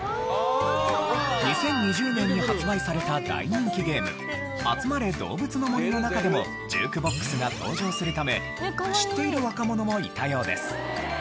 ２０２０年に発売された大人気ゲーム『あつまれどうぶつの森』の中でもジュークボックスが登場するため知っている若者もいたようです。